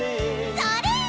それ！